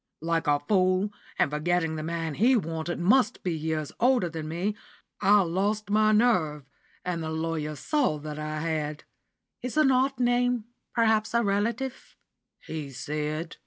Like a fool, and forgetting the man he wanted must be years older than me, I lost my nerve, and the lawyer saw that I had. 'It's an odd name perhaps a relative?' he said.